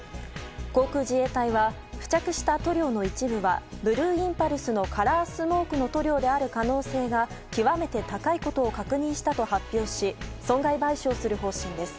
航空自衛隊は付着した塗料の一部はブルーインパルスのカラースモークの塗料である可能性が極めて高いことを確認したと発表し、損害賠償する方針です。